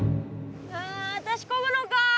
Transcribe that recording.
はあ私こぐのか！